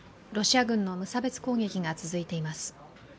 ロシア軍の無差別攻撃が続いています。